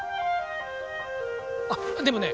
あっでもね